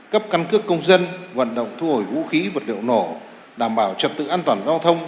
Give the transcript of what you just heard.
cấp căn cước công dân vận động thu hồi vũ khí vật liệu nổ đảm bảo trật tự an toàn giao thông